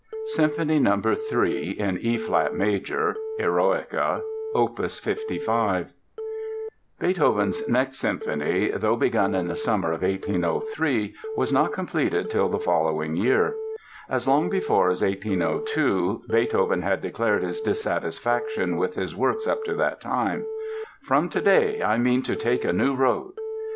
Symphony No. 3, in E flat Major ("Eroica"), Opus 55 Beethoven's next symphony, though begun in the summer of 1803, was not completed till the following year. As long before as 1802 Beethoven had declared his dissatisfaction with his works up to that time: "From today I mean to take a new road."